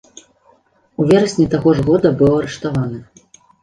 У верасні таго ж года быў арыштаваны.